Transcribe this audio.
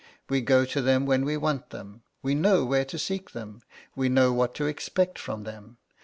We go to them when we want them. We know where to seek them; we know what to expect from them.